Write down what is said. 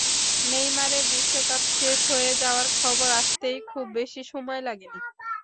নেইমারের বিশ্বকাপ শেষ হয়ে যাওয়ার খবর আসতেও খুব বেশি সময় লাগেনি।